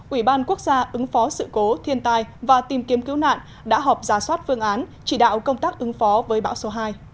ủy ban quốc gia ứng phó sự cố thiên tai và tìm kiếm cứu nạn đã họp giả soát phương án chỉ đạo công tác ứng phó với bão số hai